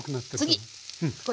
次これ。